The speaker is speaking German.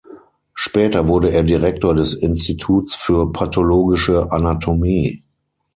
Später wurde er Direktor des Instituts für Pathologische Anatomie.